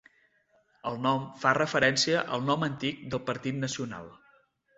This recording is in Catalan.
El nom fa referència al nom antic del Partit Nacional.